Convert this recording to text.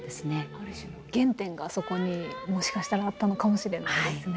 ある種の原点がそこにもしかしたらあったのかもしれないですね。